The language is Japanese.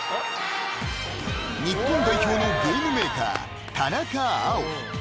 ［日本代表のゲームメーカー］